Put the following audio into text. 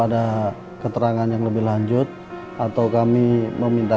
gituaktuancer dan gambar gambaran noisyg patricia